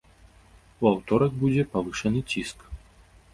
У аўторак будзе павышаны ціск.